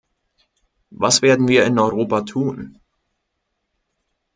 Was werden wir in Europa tun?